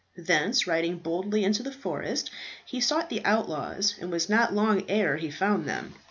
Thence riding boldly into the forest, he sought the outlaws, and was not long ere he found them.